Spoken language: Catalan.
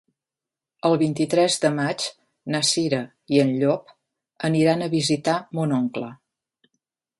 El vint-i-tres de maig na Cira i en Llop aniran a visitar mon oncle.